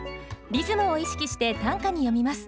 リズムを意識して短歌に詠みます。